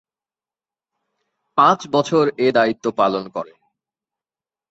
পাঁচ বছর এ দায়িত্ব পালন করেন।